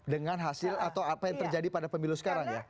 dengan hasil atau apa yang terjadi pada pemilu sekarang ya